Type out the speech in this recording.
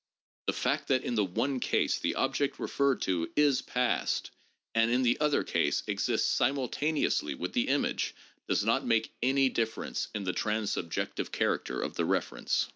The fact that in the one case the object referred to is past and in the other case exists simultaneously with the image, does not make any difference in the transsubjective character of the reference.